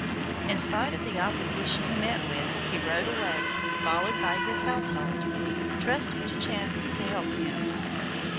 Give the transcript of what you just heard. In spite of the opposition he met with, he rode away, followed by his household, trusting to chance to help him.